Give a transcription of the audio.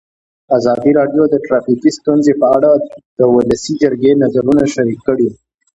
ازادي راډیو د ټرافیکي ستونزې په اړه د ولسي جرګې نظرونه شریک کړي.